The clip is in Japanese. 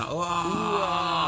うわ！